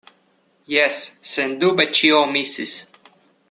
Jes, sendube ĉio misis.